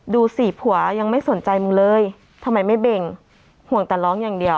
ดูสิผัวยังไม่สนใจมึงเลยทำไมไม่เบ่งห่วงแต่ร้องอย่างเดียว